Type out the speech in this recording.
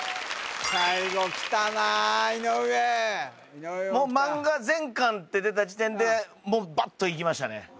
最後きたな井上もう漫画全巻って出た時点でもうバッといきましたね